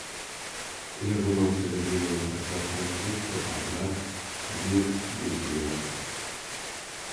Яго маці загінула падчас канфлікту, а брат знік без вестак.